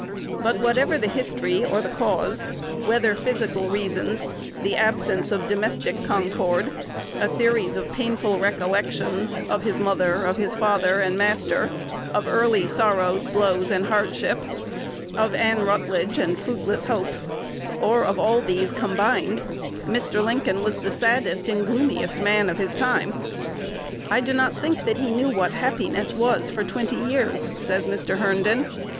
But whatever the history or the cause, whether physical reasons, the absence of domestic concord, a series of painful recollections of his mother, of his father and master, of early sorrows, blows, and hardships, of Ann Rutledge and fruitless hopes, or all these combined, Mr. Lincoln was the saddest and gloomiest man of his time. "I do not think that he knew what happiness was for twenty years," says Mr. Herndon.